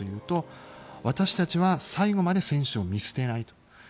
私たちは最後まで選手を見捨てないと。